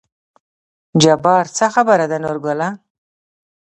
جبار : څه خبره ده نورګله